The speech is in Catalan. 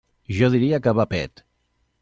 Jo diria que va pet.